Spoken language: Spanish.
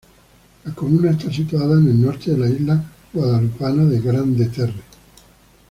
La comuna está situada en el norte de la isla guadalupana de Grande-Terre.